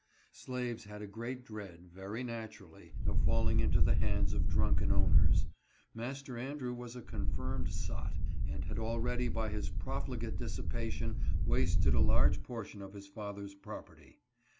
Slaves had a great dread, very naturally, of falling into the hands of drunken owners. Master Andrew was a confirmed sot, and had already by his profligate dissipa tion wasted a large portion of his father's property.